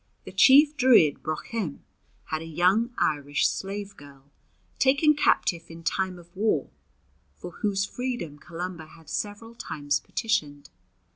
The chief Druid Broichem had a young Irish slave girl, taken captive in time of war, for whose freedom Columba had several times petitioned.